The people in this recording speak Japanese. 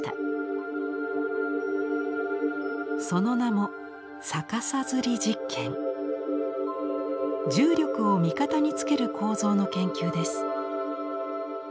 その名も重力を味方につける構造の研究です。